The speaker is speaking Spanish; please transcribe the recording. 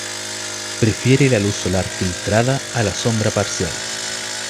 Prefiere la luz solar filtrada a la sombra parcial.